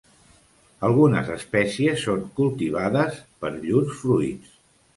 Algunes espècies són cultivades per llurs fruits.